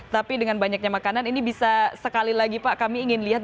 tapi dengan banyaknya makanan ini bisa sekali lagi pak kami ingin lihat